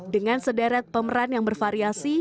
dengan sederet pemeran yang bervariasi